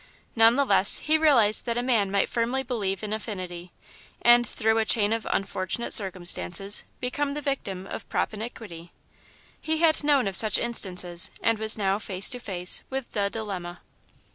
None the less, he realised that a man might firmly believe in Affinity, and, through a chain of unfortunate circumstances, become the victim of Propinquity. He had known of such instances and was now face to face with the dilemma.